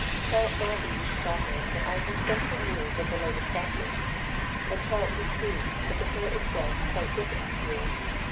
Tell Mah li's daughter that I will send her news of the latest fashions, and tell Li ti that the hair is dressed quite differently here.